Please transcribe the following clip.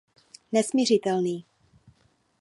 Nesmiřitelný.